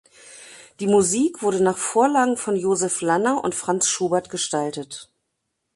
Die Musik wurde nach Vorlagen von Joseph Lanner und Franz Schubert gestaltet.